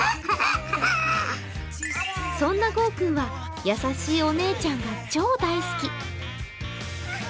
そんなごう君は優しいお姉ちゃんが超大好き。